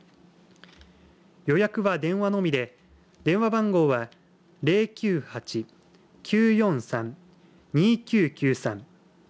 予約は電話のみで電話番号は０９８‐９４３‐２９９３です。